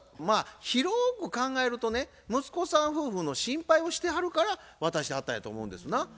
まあ広く考えるとね息子さん夫婦の心配をしてはるから渡してはったんやと思うんですな。